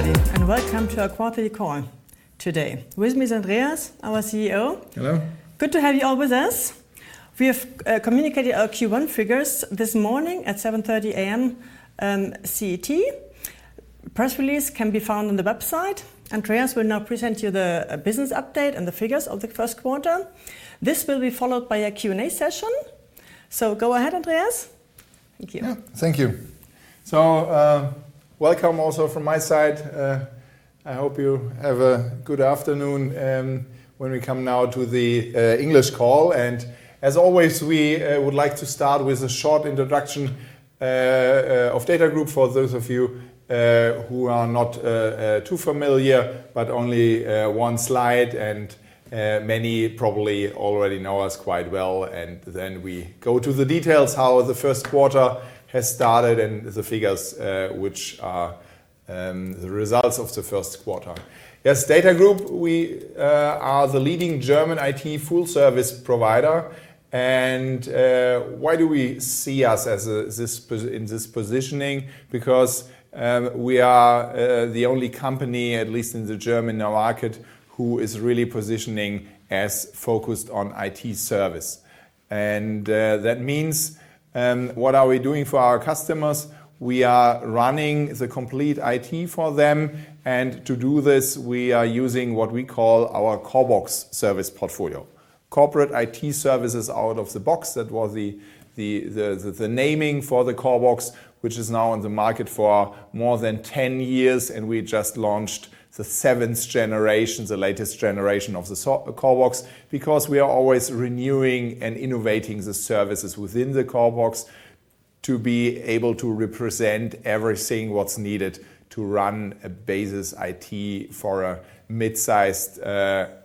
Good afternoon, everybody, and welcome to our quarterly call today. With me is Andreas, our CEO. Hello. Good to have you all with us. We have communicated our Q1 figures this morning at 7:30 A.M. CET. The press release can be found on the website. Andreas will now present you the business update and the figures of the first quarter. This will be followed by a Q&A session. So go ahead, Andreas. Thank you. Thank you. So welcome also from my side. I hope you have a good afternoon when we come now to the English call. And as always, we would like to start with a short introduction of DATAGROUP for those of you who are not too familiar, but only one slide, and many probably already know us quite well. And then we go to the details, how the first quarter has started, and the figures which are the results of the first quarter. Yes, DATAGROUP, we are the leading German IT full-service provider. And why do we see us in this positioning? Because we are the only company, at least in the German market, who is really positioning as focused on IT service. And that means, what are we doing for our customers? We are running the complete IT for them. To do this, we are using what we call our CORBOX service portfolio, corporate IT services out of the box. That was the naming for the CORBOX, which is now in the market for more than 10 years. We just launched the seventh generation, the latest generation of the CORBOX, because we are always renewing and innovating the services within the CORBOX to be able to represent everything what's needed to run a basic IT for a mid-sized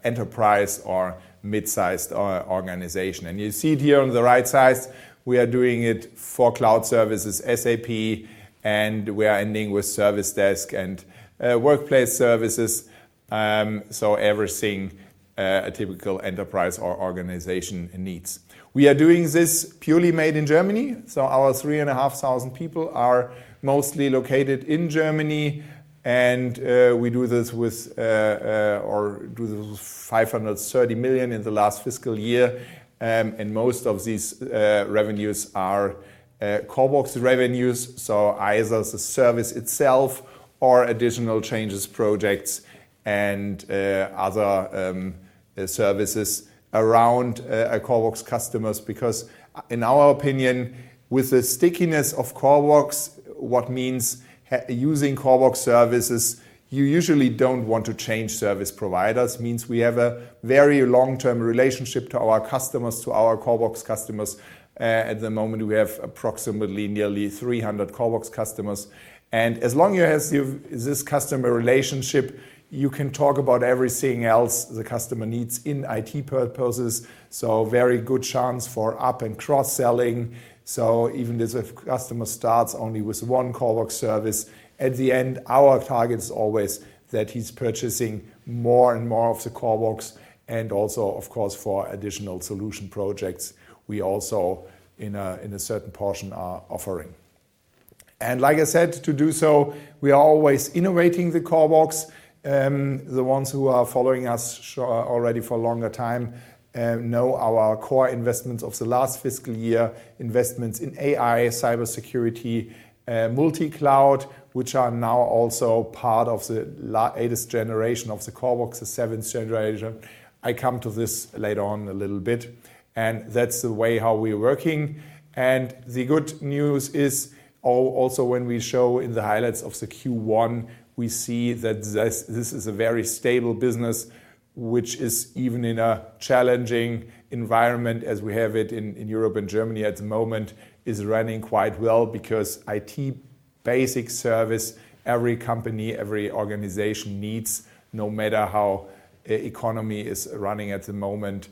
enterprise or mid-sized organization. You see here on the right side, we are doing it for cloud services, SAP, and we are ending with service desk and workplace services. Everything a typical enterprise or organization needs. We are doing this purely made in Germany. Our 3,500 people are mostly located in Germany. And we do this with 530 million in the last fiscal year. And most of these revenues are CORBOX revenues. So either the service itself or additional changes, projects, and other services around CORBOX customers. Because in our opinion, with the stickiness of CORBOX, what means using CORBOX services, you usually don't want to change service providers. Means we have a very long-term relationship to our customers, to our CORBOX customers. At the moment, we have approximately nearly 300 CORBOX customers. And as long as you have this customer relationship, you can talk about everything else the customer needs in IT purposes. So very good chance for up and cross-selling. So even if the customer starts only with one CORBOX service, at the end, our target is always that he's purchasing more and more of the CORBOX. And also, of course, for additional solution projects, we also in a certain portion are offering. And like I said, to do so, we are always innovating the CORBOX. The ones who are following us already for a longer time know our core investments of the last fiscal year, investments in AI, cybersecurity, multi-cloud, which are now also part of the latest generation of the CORBOX, the seventh generation. I come to this later on a little bit. And that's the way how we are working. The good news is also when we show in the highlights of the Q1, we see that this is a very stable business, which is even in a challenging environment as we have it in Europe and Germany at the moment, is running quite well because IT basic service every company, every organization needs, no matter how the economy is running at the moment.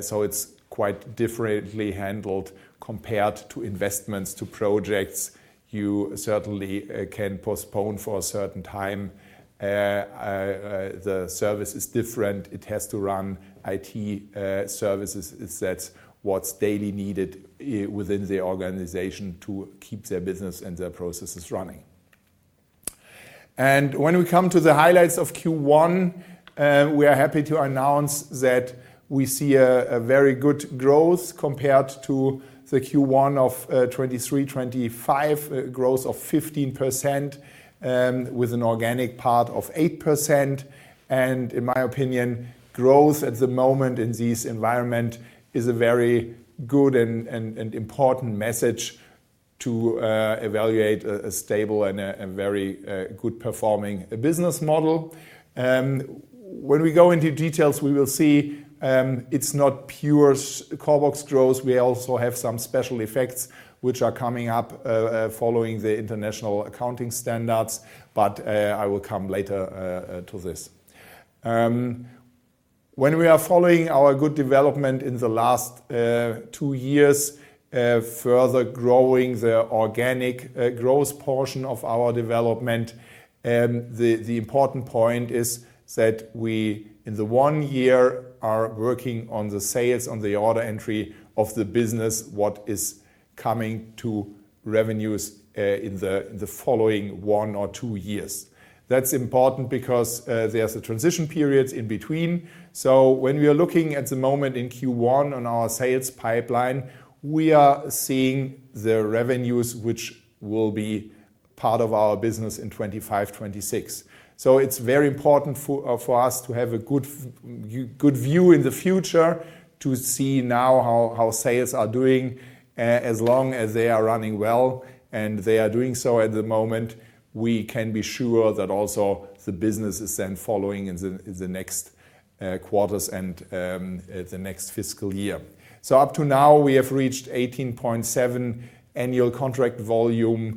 So it's quite differently handled compared to investments, to projects. You certainly can postpone for a certain time. The service is different. It has to run IT services. It sets what's daily needed within the organization to keep their business and their processes running. And when we come to the highlights of Q1, we are happy to announce that we see a very good growth compared to the Q1 of 2023, 25%, a growth of 15% with an organic part of 8%. In my opinion, growth at the moment in this environment is a very good and important message to evaluate a stable and a very good performing business model. When we go into details, we will see it's not pure CORBOX growth. We also have some special effects which are coming up following the international accounting standards. But I will come later to this. When we are following our good development in the last two years, further growing the organic growth portion of our development, the important point is that we in the one year are working on the sales, on the order entry of the business, what is coming to revenues in the following one or two years. That's important because there's a transition period in between. When we are looking at the moment in Q1 on our sales pipeline, we are seeing the revenues which will be part of our business in 2025, 2026. It's very important for us to have a good view in the future to see now how sales are doing. As long as they are running well and they are doing so at the moment, we can be sure that also the business is then following in the next quarters and the next fiscal year. Up to now, we have reached 18.7 annual contract value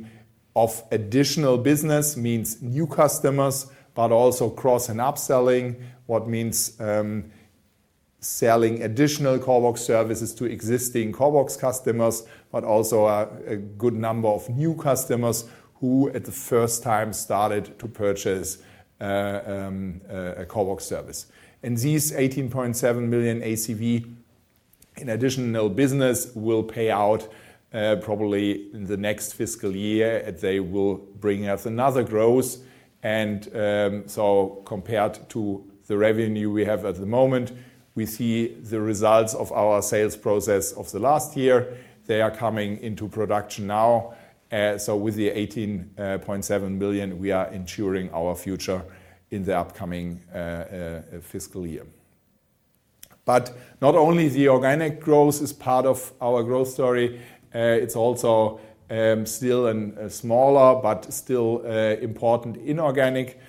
of additional business, means new customers, but also cross and upselling, what means selling additional CORBOX services to existing CORBOX customers, but also a good number of new customers who at the first time started to purchase a CORBOX service. These 18.7 million ACV in additional business will pay out probably in the next fiscal year. They will bring us another growth. And so compared to the revenue we have at the moment, we see the results of our sales process of the last year. They are coming into production now. So with the 18.7 million, we are ensuring our future in the upcoming fiscal year. But not only the organic growth is part of our growth story, it's also still a smaller but still important inorganic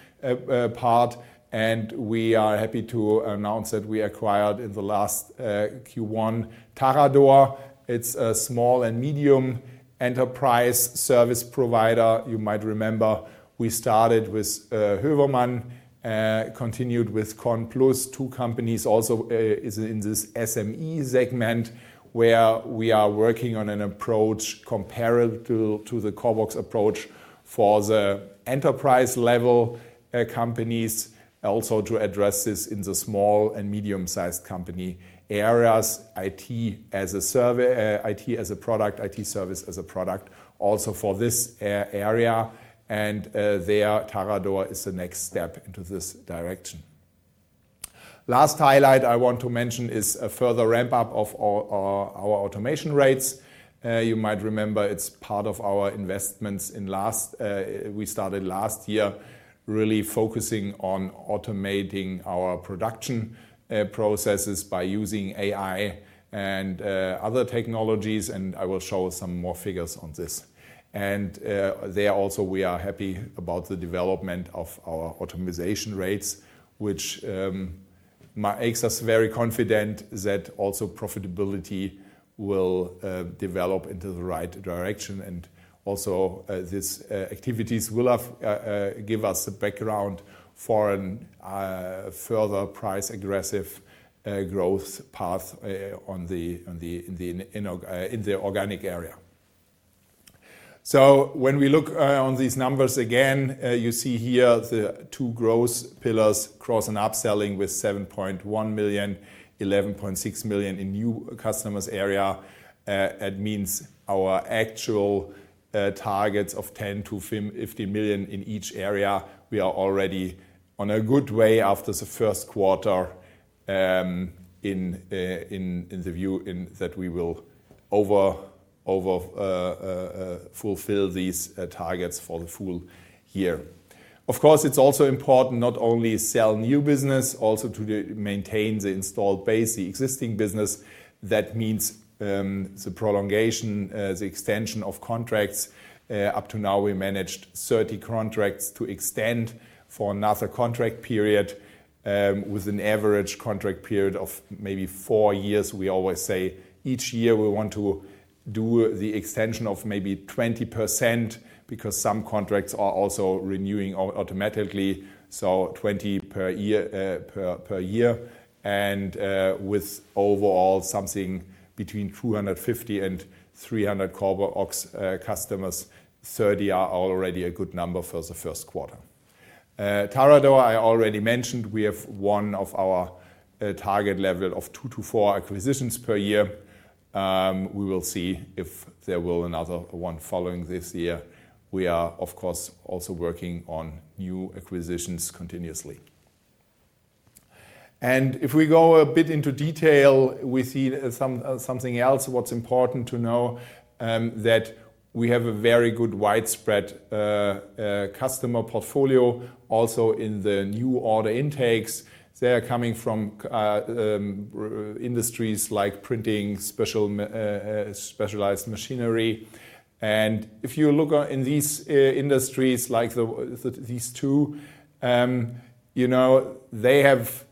part. And we are happy to announce that we acquired in the last Q1 TARADOR. It's a small and medium enterprise service provider. You might remember we started with Hövermann, continued with CONPLUS, two companies also in this SME segment where we are working on an approach comparable to the CORBOX approach for the enterprise level companies, also to address this in the small and medium-sized company areas, IT as a product, IT service as a product also for this area. And there, TARADOR is the next step into this direction. Last highlight I want to mention is a further ramp-up of our automation rates. You might remember it's part of our investments in last we started last year really focusing on automating our production processes by using AI and other technologies. And I will show some more figures on this. And there also, we are happy about the development of our automation rates, which makes us very confident that also profitability will develop into the right direction. And also these activities will give us the background for a further price-aggressive growth path in the organic area. So when we look on these numbers again, you see here the two growth pillars, cross and upselling with 7.1 million, 11.6 million in new customers area. That means our actual targets of 10 million-15 million in each area. We are already on a good way after the first quarter in the view that we will over fulfill these targets for the full year. Of course, it's also important not only sell new business, also to maintain the installed base, the existing business. That means the prolongation, the extension of contracts. Up to now, we managed 30 contracts to extend for another contract period with an average contract period of maybe four years. We always say each year we want to do the extension of maybe 20% because some contracts are also renewing automatically. So 20 per year. With overall something between 250 and 300 CORBOX customers, 30 are already a good number for the first quarter. TARADOR, I already mentioned, we have one of our target level of two to four acquisitions per year. We will see if there will be another one following this year. We are, of course, also working on new acquisitions continuously. If we go a bit into detail, we see something else. What's important to know that we have a very good widespread customer portfolio also in the new order intakes. They are coming from industries like printing, specialized machinery. If you look in these industries like these two, they have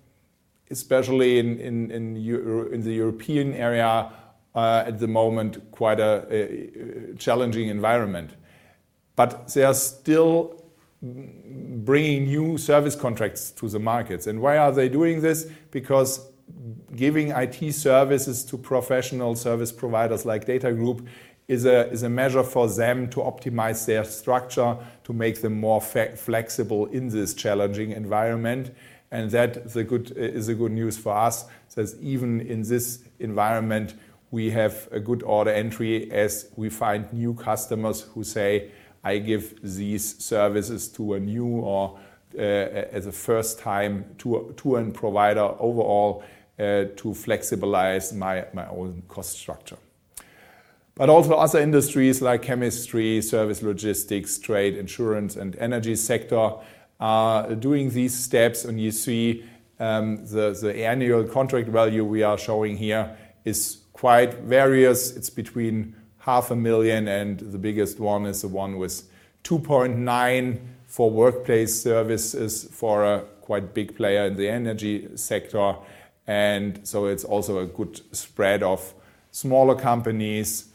especially in the European area at the moment quite a challenging environment. They are still bringing new service contracts to the markets. Why are they doing this? Because giving IT services to professional service providers like DATAGROUP is a measure for them to optimize their structure, to make them more flexible in this challenging environment. That is good news for us. Even in this environment, we have a good order entry as we find new customers who say, "I give these services to a new or as a first-time to a provider overall to flexibilize my own cost structure." Other industries like chemistry, service logistics, trade, insurance, and energy sector are doing these steps. You see the annual contract value we are showing here is quite various. It's between 500,000. The biggest one is the one with 2.9 million for workplace services for a quite big player in the energy sector. It's also a good spread of smaller companies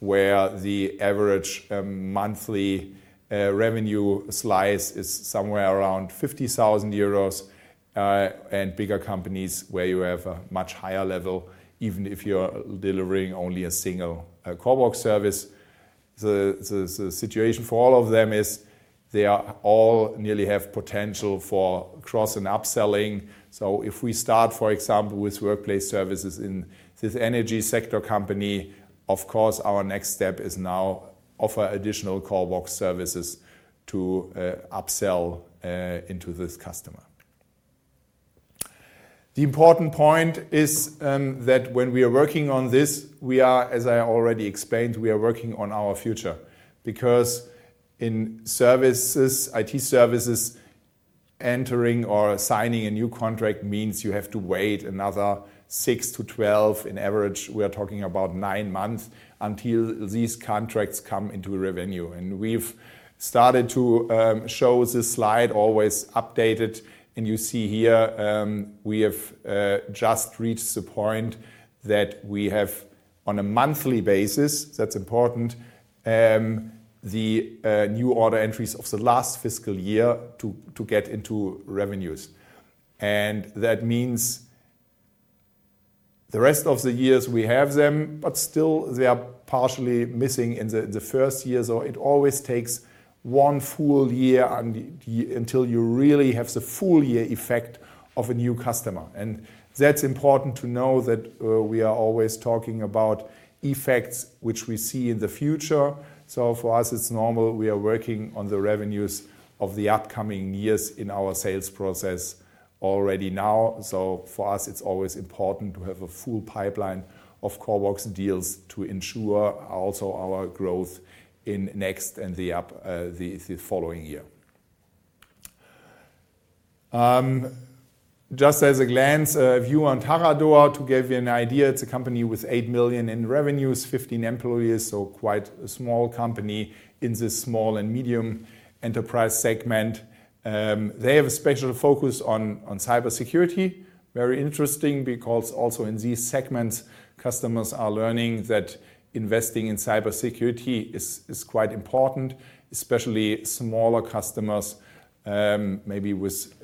where the average monthly revenue slice is somewhere around 50,000 euros. Bigger companies where you have a much higher level, even if you're delivering only a single CORBOX service. The situation for all of them is they all nearly have potential for cross and upselling. If we start, for example, with workplace services in this energy sector company, of course, our next step is now to offer additional CORBOX services to upsell into this customer. The important point is that when we are working on this, we are, as I already explained, we are working on our future. Because in IT services, entering or signing a new contract means you have to wait another 6 to 12, on average, we are talking about 9 months until these contracts come into revenue. We've started to show this slide, always updated. You see here we have just reached the point that we have, on a monthly basis, that's important, the new order entries of the last fiscal year to get into revenues. That means the rest of the years we have them, but still they are partially missing in the first year. It always takes one full year until you really have the full year effect of a new customer. That's important to know that we are always talking about effects which we see in the future. For us, it's normal. We are working on the revenues of the upcoming years in our sales process already now. For us, it's always important to have a full pipeline of CORBOX deals to ensure also our growth in next and the following year. Just as a glance view on TARADOR to give you an idea, it's a company with 8 million in revenues, 15 employees, so quite a small company in this small and medium enterprise segment. They have a special focus on cybersecurity. Very interesting because also in these segments, customers are learning that investing in cybersecurity is quite important, especially smaller customers, maybe with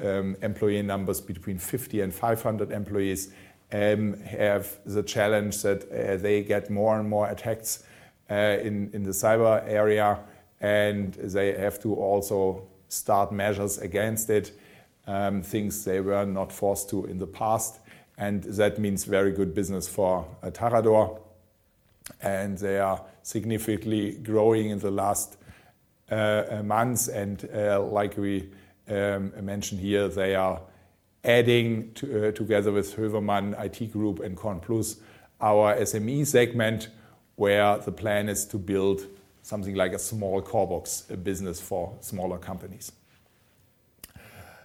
employee numbers between 50 and 500 employees, have the challenge that they get more and more attacks in the cyber area, and they have to also start measures against it, things they were not forced to in the past, and that means very good business for TARADOR. They are significantly growing in the last months. And like we mentioned here, they are adding together with Hövermann IT Group and CONPLUS our SME segment where the plan is to build something like a small CORBOX business for smaller companies.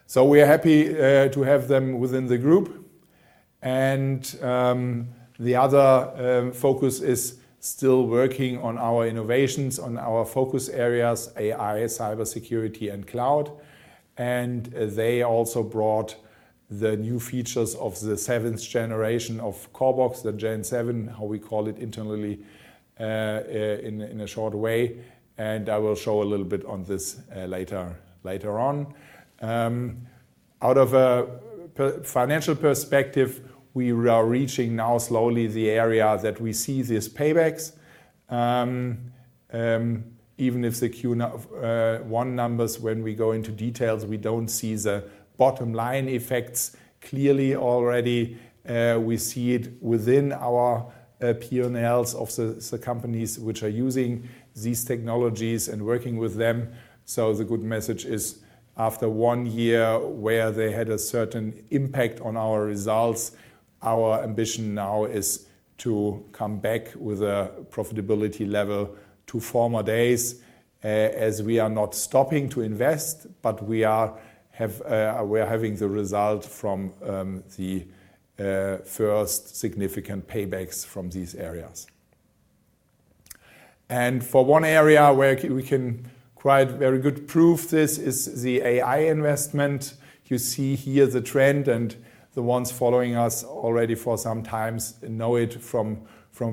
So we are happy to have them within the group. And the other focus is still working on our innovations, on our focus areas, AI, cybersecurity, and cloud. And they also brought the new features of the seventh generation of CORBOX, the Gen 7, how we call it internally in a short way. And I will show a little bit on this later on. Out of a financial perspective, we are reaching now slowly the area that we see these paybacks. Even if the Q1 numbers, when we go into details, we don't see the bottom line effects clearly already. We see it within our P&Ls of the companies which are using these technologies and working with them. So the good message is after one year where they had a certain impact on our results, our ambition now is to come back with a profitability level to former days as we are not stopping to invest, but we are having the result from the first significant paybacks from these areas. And for one area where we can quite very good prove this is the AI investment. You see here the trend. And the ones following us already for some times know it from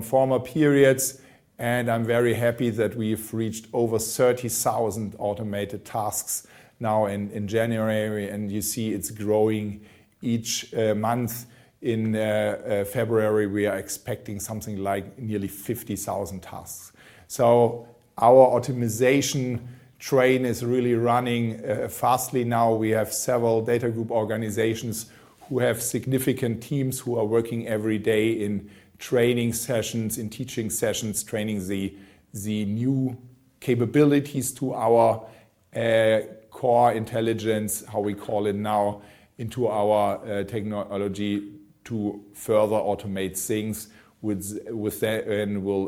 former periods. And I'm very happy that we've reached over 30,000 automated tasks now in January. And you see it's growing each month. In February, we are expecting something like nearly 50,000 tasks. So our optimization train is really running fast now. We have several DATAGROUP organizations who have significant teams who are working every day in training sessions, in teaching sessions, training the new capabilities to our core intelligence, how we call it now, into our technology to further automate things with that, and we'll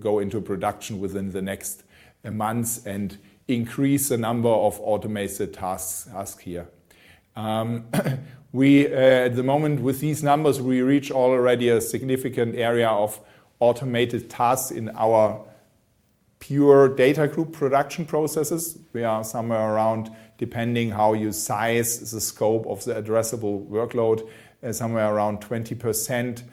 go into production within the next months and increase the number of automated tasks here. At the moment, with these numbers, we reach already a significant area of automated tasks in our pure DATAGROUP production processes. We are somewhere around, depending how you size the scope of the addressable workload, somewhere around 20% of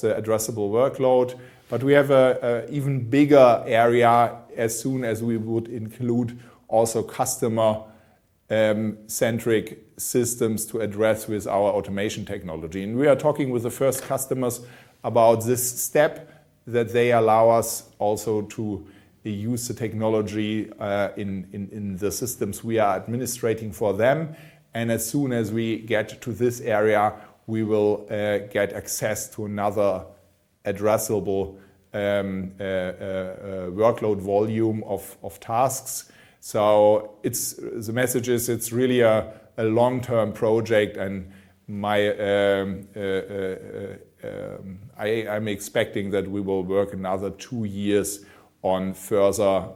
the addressable workload, but we have an even bigger area as soon as we would include also customer-centric systems to address with our automation technology. And we are talking with the first customers about this step that they allow us also to use the technology in the systems we are administrating for them. And as soon as we get to this area, we will get access to another addressable workload volume of tasks. So the message is it's really a long-term project. And I'm expecting that we will work another two years on further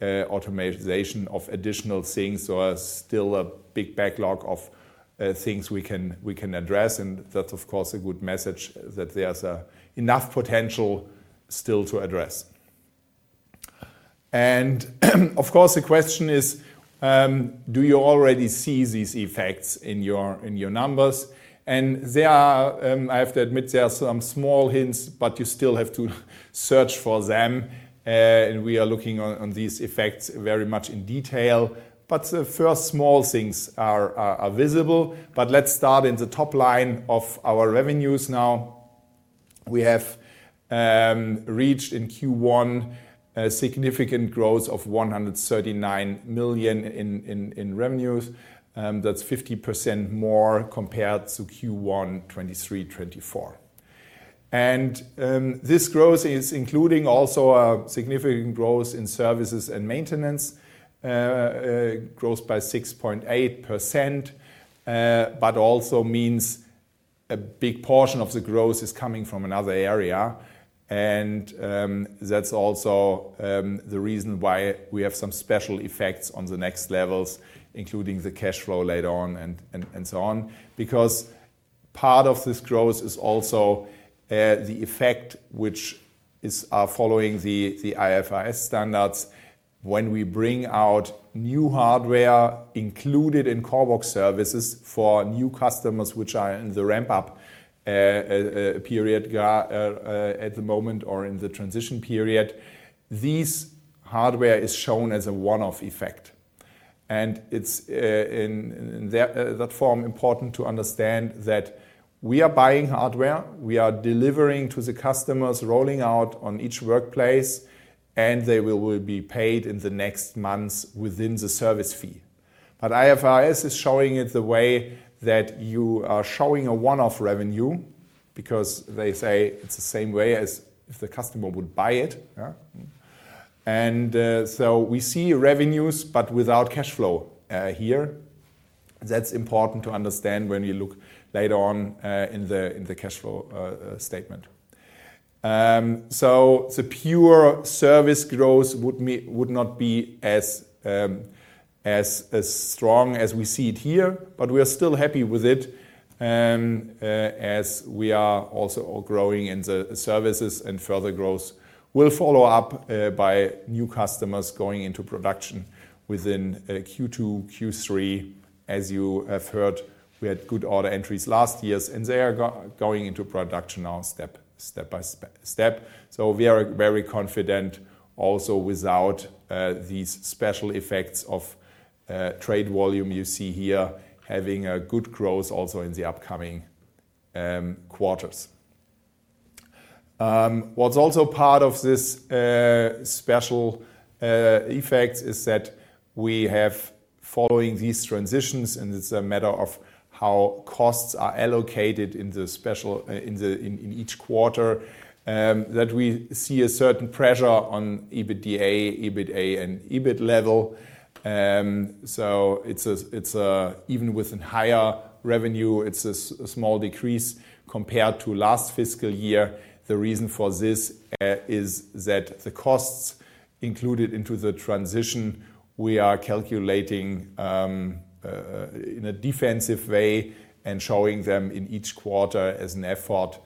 automation of additional things. There are still a big backlog of things we can address. And that's, of course, a good message that there's enough potential still to address. And of course, the question is, do you already see these effects in your numbers? And I have to admit, there are some small hints, but you still have to search for them. And we are looking on these effects very much in detail. But the first small things are visible. Let's start in the top line of our revenues now. We have reached in Q1 significant growth of 139 million in revenues. That's 50% more compared to Q1, 2023, 2024. This growth is including also a significant growth in services and maintenance, growth by 6.8%, but also means a big portion of the growth is coming from another area. That's also the reason why we have some special effects on the next levels, including the cash flow later on and so on. Because part of this growth is also the effect which is following the IFRS standards when we bring out new hardware included in CORBOX services for new customers which are in the ramp-up period at the moment or in the transition period. This hardware is shown as a one-off effect. It's in that form important to understand that we are buying hardware. We are delivering to the customers, rolling out on each workplace, and they will be paid in the next months within the service fee, but IFRS is showing it the way that you are showing a one-off revenue because they say it's the same way as if the customer would buy it, and so we see revenues, but without cash flow here. That's important to understand when you look later on in the cash flow statement, so the pure service growth would not be as strong as we see it here, but we are still happy with it as we are also growing in the services and further growth will follow up by new customers going into production within Q2, Q3. As you have heard, we had good order entries last years, and they are going into production now step by step. So we are very confident also without these special effects of trade volume you see here having a good growth also in the upcoming quarters. What's also part of this special effect is that we have following these transitions, and it's a matter of how costs are allocated in each quarter, that we see a certain pressure on EBITDA, EBITDA, and EBITDA level. So even with a higher revenue, it's a small decrease compared to last fiscal year. The reason for this is that the costs included into the transition we are calculating in a defensive way and showing them in each quarter as an effort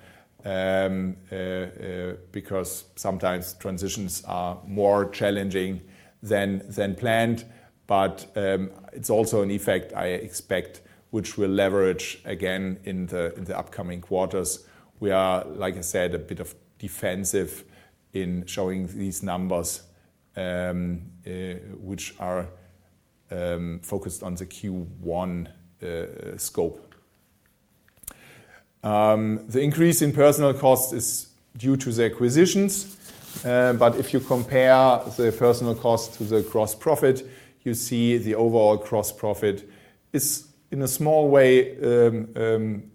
because sometimes transitions are more challenging than planned. But it's also an effect, I expect, which we'll leverage again in the upcoming quarters. We are, like I said, a bit defensive in showing these numbers which are focused on the Q1 scope. The increase in personnel costs is due to the acquisitions, but if you compare the personnel costs to the gross profit, you see the overall gross profit is, in a small way,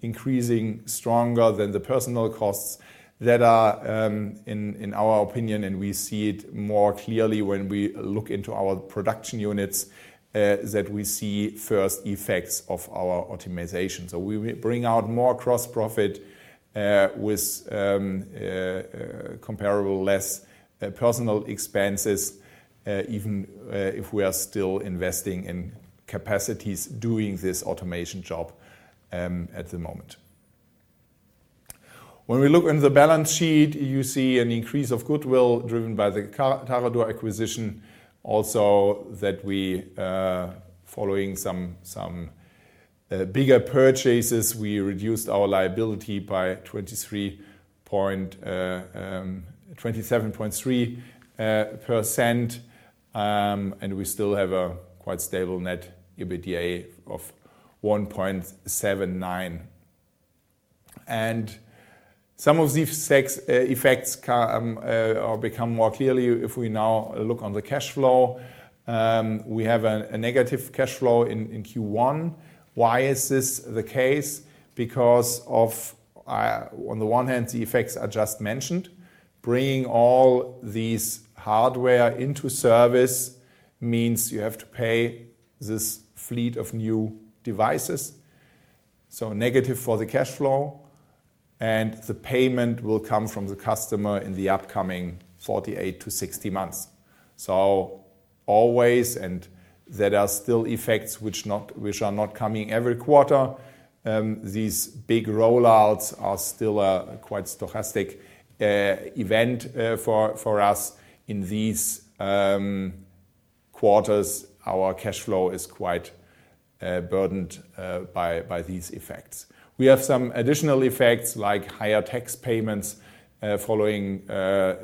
increasing stronger than the personnel costs that are, in our opinion, and we see it more clearly when we look into our production units, that we see first effects of our optimization, so we bring out more gross profit with comparable less personnel expenses, even if we are still investing in capacities doing this automation job at the moment. When we look in the balance sheet, you see an increase of goodwill driven by the TARADOR acquisition. Also, that following some bigger purchases, we reduced our liability by 27.3%, and we still have a quite stable net EBITDA of 1.79, and some of these effects become more clear if we now look on the cash flow. We have a negative cash flow in Q1. Why is this the case? Because on the one hand, the effects are just mentioned. Bringing all these hardware into service means you have to pay this fleet of new devices, so negative for the cash flow and the payment will come from the customer in the upcoming 48-60 months so always, and there are still effects which are not coming every quarter. These big rollouts are still a quite stochastic event for us. In these quarters, our cash flow is quite burdened by these effects. We have some additional effects like higher tax payments following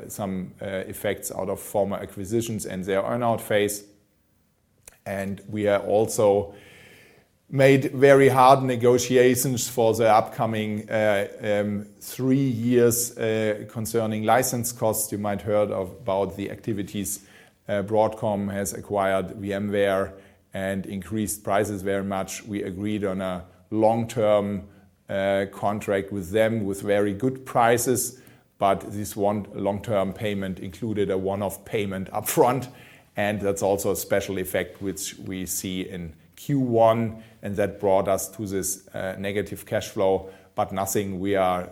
some effects out of former acquisitions and their earn-out phase and we have also made very hard negotiations for the upcoming three years concerning license costs. You might have heard about the activities, Broadcom has acquired VMware and increased prices very much. We agreed on a long-term contract with them with very good prices, but this one long-term payment included a one-off payment upfront. That's also a special effect which we see in Q1. That brought us to this negative cash flow, but nothing we are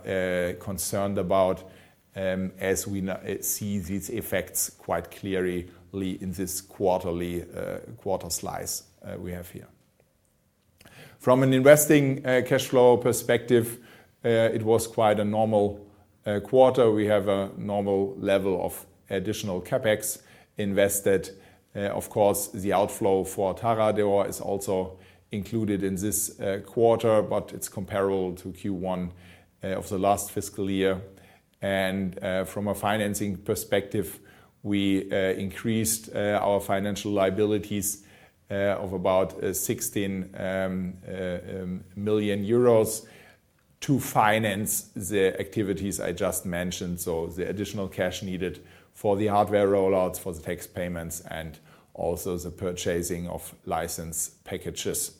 concerned about as we see these effects quite clearly in this quarterly slice we have here. From an investing cash flow perspective, it was quite a normal quarter. We have a normal level of additional CapEx invested. Of course, the outflow for TARADOR is also included in this quarter, but it's comparable to Q1 of the last fiscal year. From a financing perspective, we increased our financial liabilities of about 16 million euros to finance the activities I just mentioned. The additional cash needed for the hardware rollouts, for the tax payments, and also the purchasing of license packages.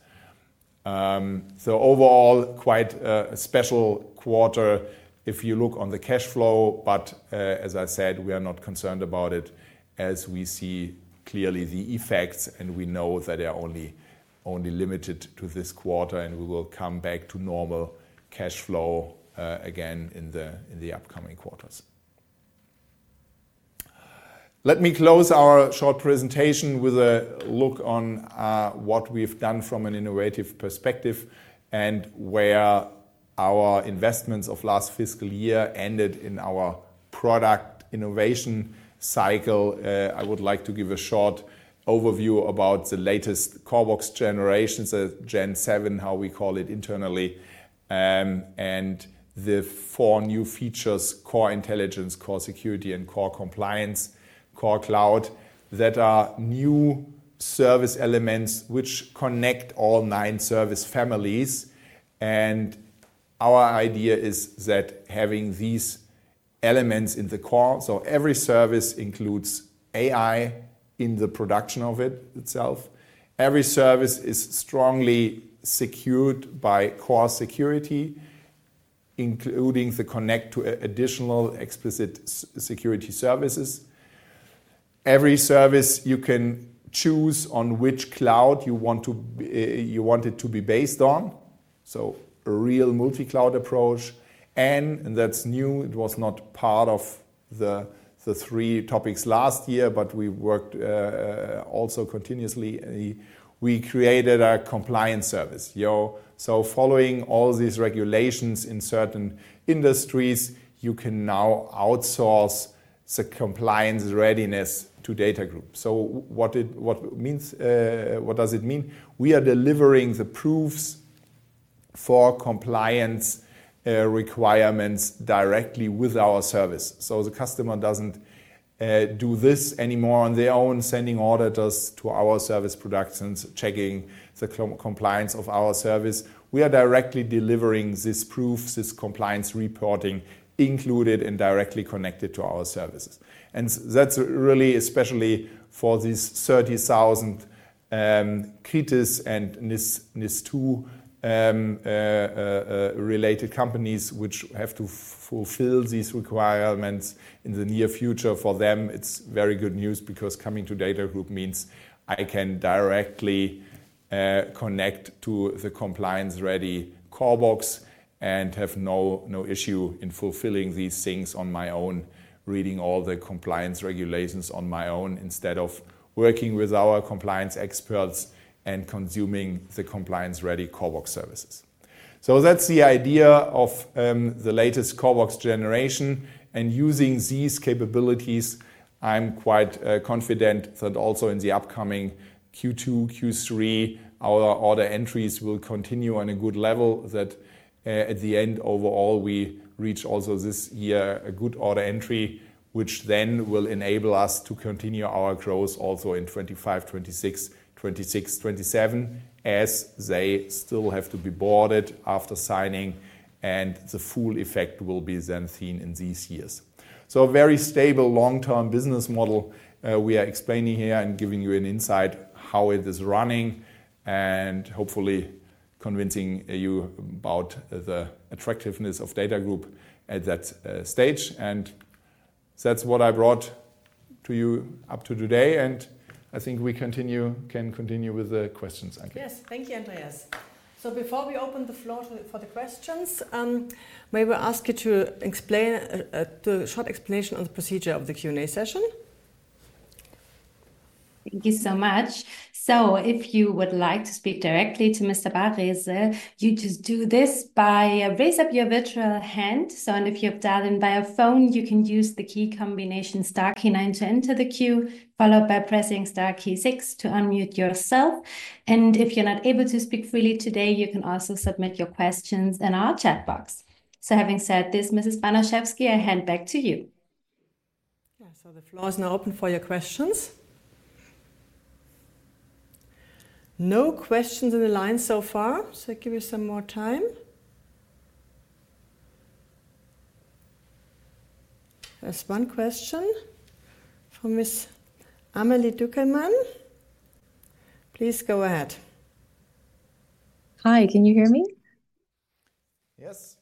So overall, quite a special quarter if you look on the cash flow. But as I said, we are not concerned about it as we see clearly the effects, and we know that they are only limited to this quarter, and we will come back to normal cash flow again in the upcoming quarters. Let me close our short presentation with a look on what we've done from an innovative perspective and where our investments of last fiscal year ended in our product innovation cycle. I would like to give a short overview about the latest CORBOX generations, Gen 7, how we call it internally, and the four new features: Core Intelligence, Core Security, and Core Compliance, Core Cloud that are new service elements which connect all nine service families. And our idea is that having these elements in the core, so every service includes AI in the production of itself. Every service is strongly secured by core security, including the connection to additional explicit security services. Every service, you can choose on which cloud you want it to be based on. So a real multi-cloud approach. And that's new. It was not part of the three topics last year, but we worked also continuously. We created a compliance service. So following all these regulations in certain industries, you can now outsource the compliance readiness to DATAGROUP. So what does it mean? We are delivering the proofs for compliance requirements directly with our service. So the customer doesn't do this anymore on their own, sending auditors to our service productions, checking the compliance of our service. We are directly delivering this proof, this compliance reporting included and directly connected to our services, and that's really especially for these 30,000 KRITIS and NIS2-related companies which have to fulfill these requirements in the near future. For them, it's very good news because coming to DATAGROUP means I can directly connect to the compliance-ready CORBOX and have no issue in fulfilling these things on my own, reading all the compliance regulations on my own instead of working with our compliance experts and consuming the compliance-ready CORBOX services, so that's the idea of the latest CORBOX generation. Using these capabilities, I'm quite confident that also in the upcoming Q2, Q3, our order entries will continue on a good level that at the end, overall, we reach also this year a good order entry which then will enable us to continue our growth also in 2025/2026, 2026/2027 as they still have to be boarded after signing. The full effect will be then seen in these years. A very stable long-term business model we are explaining here and giving you an insight how it is running and hopefully convincing you about the attractiveness of DATAGROUP at that stage. That's what I brought to you up to today. I think we can continue with the questions, Anke. Yes. Thank you, Andreas. So before we open the floor for the questions, may we ask you to explain the short explanation of the procedure of the Q&A session? Thank you so much. So if you would like to speak directly to Mr. Baresel, you just do this by raising up your virtual hand. So if you've dialed in via phone, you can use the key combination star key 9 to enter the queue, followed by pressing star key 6 to unmute yourself. And if you're not able to speak freely today, you can also submit your questions in our chat box. So having said this, Mrs. Banaschewski, I hand back to you. Yeah, so the floor is now open for your questions. No questions in the line so far, so I'll give you some more time. There's one question from Ms. Amelie Dückelmann. Please go ahead. Hi. Can you hear me? Yes.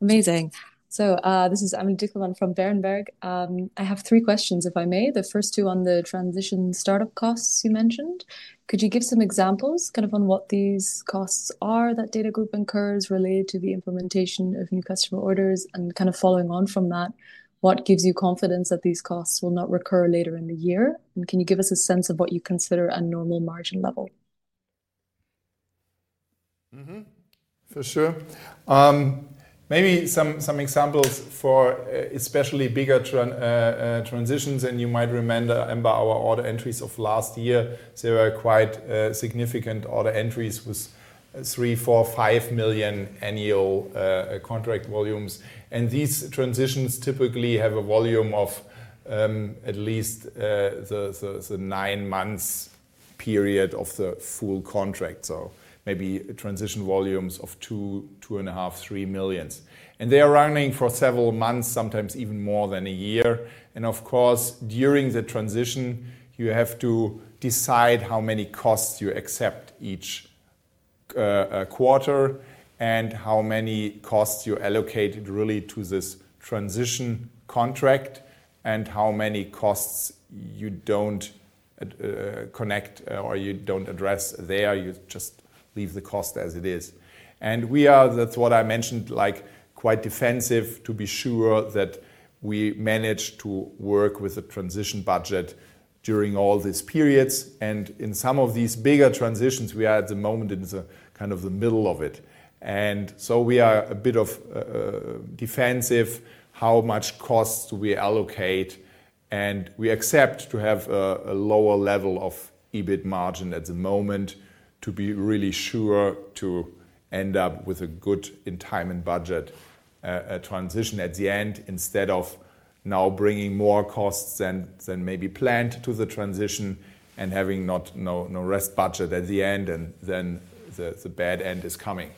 Amazing. So this is Amelie Dückelmann from Berenberg. I have three questions, if I may. The first two on the transition startup costs you mentioned. Could you give some examples kind of on what these costs are that DATAGROUP incurs related to the implementation of new customer orders? And kind of following on from that, what gives you confidence that these costs will not recur later in the year? And can you give us a sense of what you consider a normal margin level? For sure. Maybe some examples for especially bigger transitions. And you might remember our major order entries of last year. There were quite significant order entries with 3 million, 4 million, 5 million annual contract volumes. And these transitions typically have a volume of at least the nine-month period of the full contract. So maybe transition volumes of 2 million, EUR 2.5 million, 3 million. And they are running for several months, sometimes even more than a year. And of course, during the transition, you have to decide how many costs you accept each quarter and how many costs you allocate really to this transition contract and how many costs you don't connect or you don't address there. You just leave the cost as it is. And we are, that's what I mentioned, quite defensive to be sure that we manage to work with the transition budget during all these periods. And in some of these bigger transitions, we are at the moment in kind of the middle of it. And so we are a bit defensive how much costs we allocate. And we accept to have a lower level of EBITDA margin at the moment to be really sure to end up with a good in time and budget transition at the end instead of now bringing more costs than maybe planned to the transition and having no rest budget at the end. And then the bad end is coming.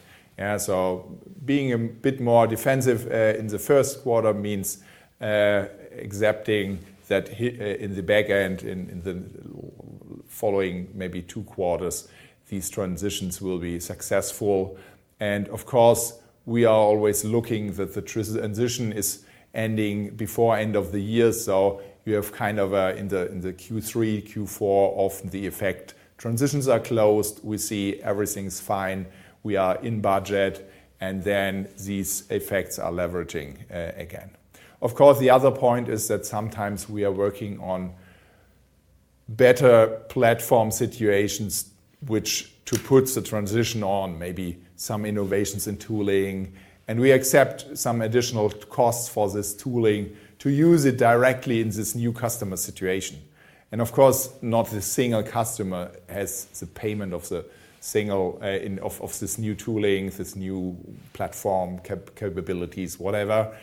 So being a bit more defensive in the first quarter means accepting that in the back end, in the following maybe two quarters, these transitions will be successful. And of course, we are always looking that the transition is ending before the end of the year. So, you have kind of in the Q3, Q4 of the effect, transitions are closed. We see everything's fine. We are in budget. And then these effects are leveraging again. Of course, the other point is that sometimes we are working on better platform situations which to put the transition on, maybe some innovations in tooling. And we accept some additional costs for this tooling to use it directly in this new customer situation. And of course, not a single customer has the payment of this new tooling, this new platform capabilities, whatever.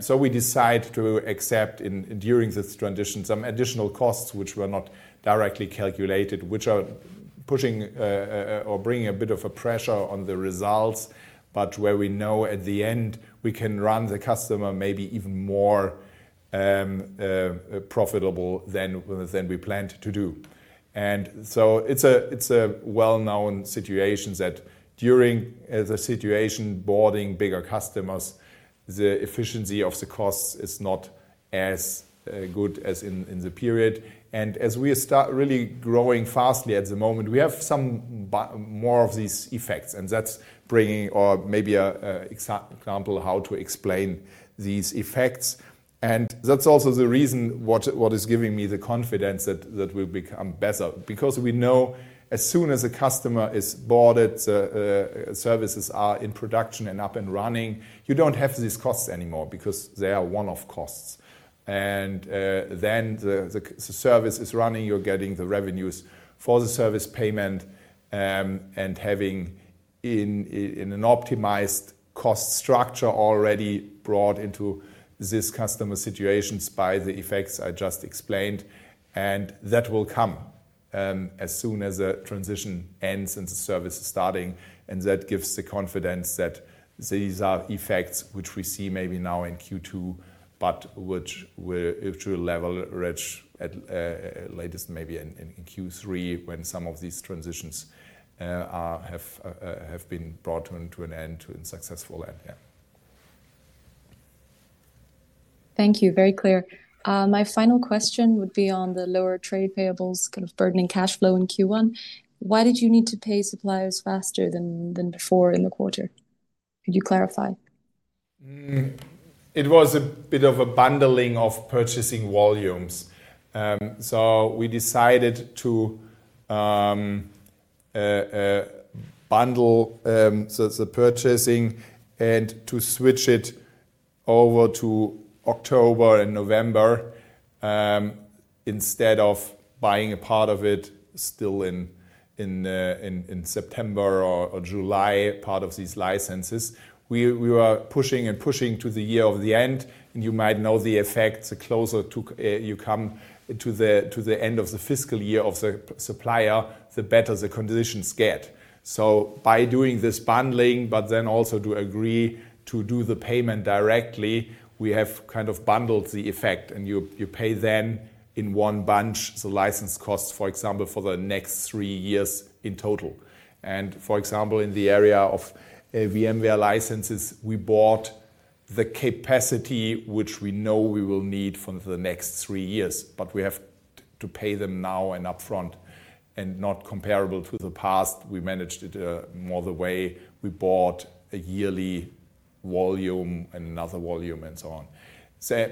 So we decide to accept during this transition some additional costs which were not directly calculated, which are pushing or bringing a bit of a pressure on the results, but where we know at the end we can run the customer maybe even more profitable than we planned to do. And so it's a well-known situation that during the onboarding of bigger customers, the efficiency of the costs is not as good as in the period. And as we are really growing fast at the moment, we have some more of these effects. And that's bringing, or maybe an example, how to explain these effects. And that's also the reason what is giving me the confidence that we'll become better. Because we know as soon as a customer is boarded, services are in production and up and running, you don't have these costs anymore because they are one-off costs. And then the service is running. You're getting the revenues for the service payment and having an optimized cost structure already brought into this customer situations by the effects I just explained. And that will come as soon as the transition ends and the service is starting. That gives the confidence that these are effects which we see maybe now in Q2, but which will leverage at latest maybe in Q3 when some of these transitions have been brought to an end to a successful end. Yeah. Thank you. Very clear. My final question would be on the lower trade payables, kind of burdening cash flow in Q1. Why did you need to pay suppliers faster than before in the quarter? Could you clarify? It was a bit of a bundling of purchasing volumes. So we decided to bundle the purchasing and to switch it over to October and November instead of buying a part of it still in September or July, part of these licenses. We were pushing and pushing to the end of the year. And you might know the effect. The closer you come to the end of the fiscal year of the supplier, the better the conditions get. So by doing this bundling, but then also to agree to do the payment directly, we have kind of bundled the effect. And you pay then in one bunch the license costs, for example, for the next three years in total. And for example, in the area of VMware licenses, we bought the capacity which we know we will need for the next three years. But we have to pay them now and upfront and not comparable to the past. We managed it more the way we bought a yearly volume and another volume and so on.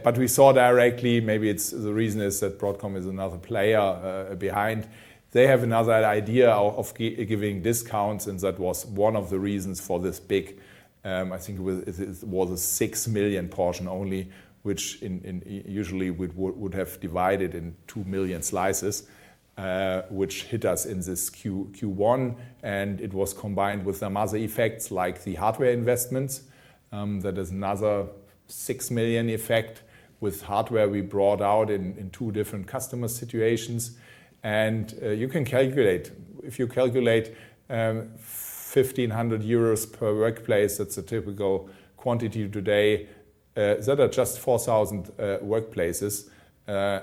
But we saw directly maybe the reason is that Broadcom is another player behind. They have another idea of giving discounts. And that was one of the reasons for this big, I think it was a 6 million portion only, which usually would have divided in 2 million slices, which hit us in this Q1. And it was combined with some other effects like the hardware investments. That is another 6 million effect with hardware we brought out in two different customer situations. And you can calculate. If you calculate 1,500 euros per workplace, that's a typical quantity today. That are just 4,000 workplaces.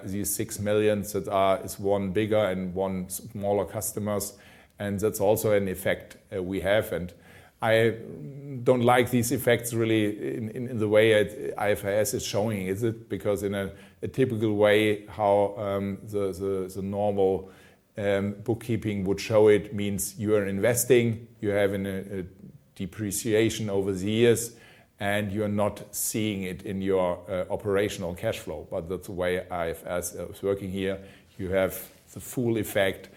These 6 million is one bigger and one smaller customers. And that's also an effect we have. And I don't like these effects really in the way IFRS is showing it. Because in a typical way, how the normal bookkeeping would show it means you are investing. You have a depreciation over the years. And you are not seeing it in your operational cash flow. But that's the way IFRS is working here. You have the full effect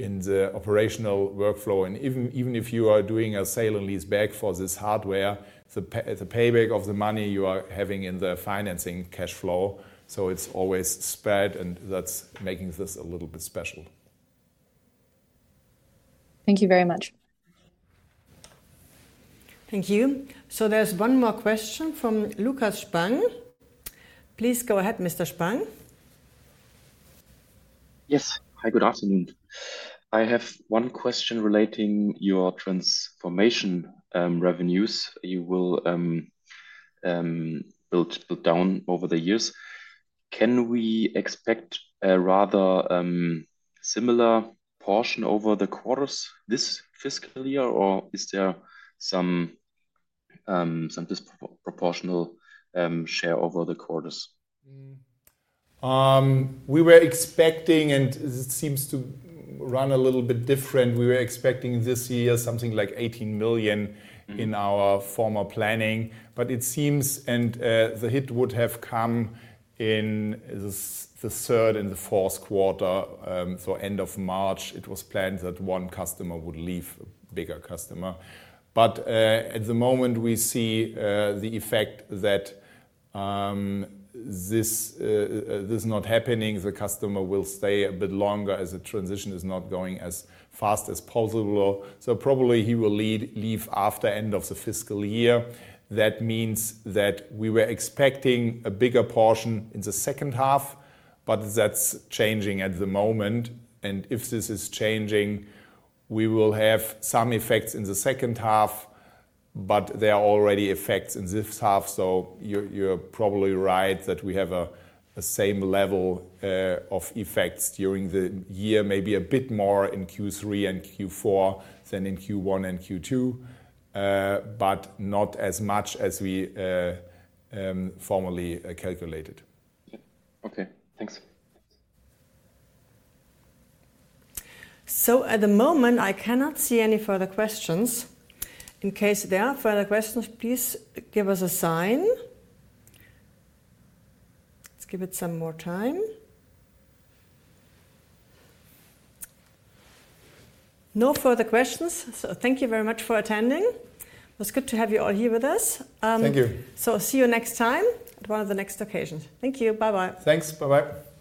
in the operational workflow. And even if you are doing a sale and lease back for this hardware, the payback of the money you are having in the financing cash flow. So it's always spread. And that's making this a little bit special. Thank you very much. Thank you. So there's one more question from Lukas Spang. Please go ahead, Mr. Spang. Yes. Hi, good afternoon. I have one question regarding your transformation revenues you will build down over the years. Can we expect a rather similar proportion over the quarters this fiscal year? Or is there some disproportionate share over the quarters? We were expecting, and it seems to run a little bit different. We were expecting this year something like 18 million in our former planning, but it seems the hit would have come in the third and the fourth quarter. So end of March, it was planned that one customer would leave, a bigger customer. But at the moment, we see the effect that this is not happening. The customer will stay a bit longer as the transition is not going as fast as possible. So probably he will leave after the end of the fiscal year. That means that we were expecting a bigger portion in the second half, but that's changing at the moment, and if this is changing, we will have some effects in the second half, but there are already effects in this half. So you're probably right that we have the same level of effects during the year, maybe a bit more in Q3 and Q4 than in Q1 and Q2, but not as much as we formally calculated. Okay. Thanks. So at the moment, I cannot see any further questions. In case there are further questions, please give us a sign. Let's give it some more time. No further questions. So thank you very much for attending. It was good to have you all here with us. Thank you. So see you next time at one of the next occasions. Thank you. Bye-bye. Thanks. Bye-bye.